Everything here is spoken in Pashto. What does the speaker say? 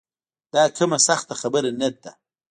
دا کومه سخته خبره نه ده.